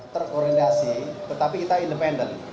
terorientasi tetapi kita independen